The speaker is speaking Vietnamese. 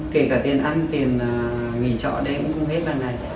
kể cả tiền ăn tiền nghỉ trọ đấy cũng không hết vào này